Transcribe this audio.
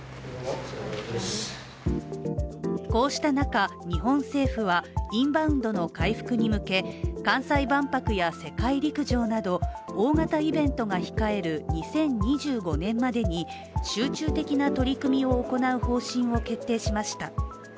こうした中、日本政府はインバウンドの回復に向け関西万博や世界陸上など大型イベントが控える２０２５年までに集中的な取り組みを行う方針を決定しました。